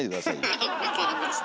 はい分かりました。